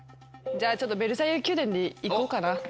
じゃあちょっとヴェルサイユ宮殿で行こうかな。